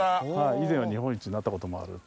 以前は日本一になったこともあるっていう。